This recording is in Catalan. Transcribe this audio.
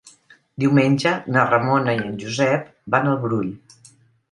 Diumenge na Ramona i en Josep van al Brull.